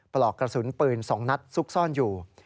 ปลอกกระสุนปืน๒นัดซุกซ่อนอยู่